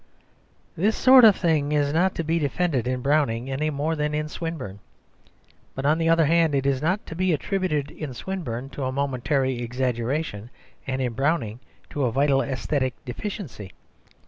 This sort of thing is not to be defended in Browning any more than in Swinburne. But, on the other hand, it is not to be attributed in Swinburne to a momentary exaggeration, and in Browning to a vital æsthetic deficiency.